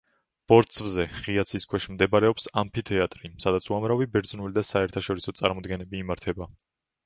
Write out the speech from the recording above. ბორცვზე, ღია ცის ქვეშ მდებარეობს ამფითეატრი, სადაც უამრავი ბერძნული და საერთაშორისო წარმოდგენები იმართება.